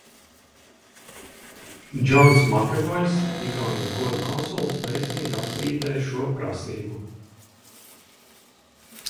Džons Makevojs, Igaunijas goda konsuls, veiksmīgi apstrīdēja šo prasību.